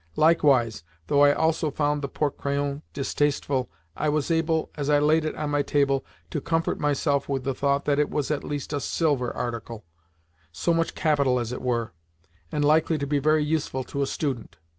Likewise, though I also found the porte crayon distasteful, I was able, as I laid it on my table, to comfort myself with the thought that it was at least a SILVER article so much capital, as it were and likely to be very useful to a student.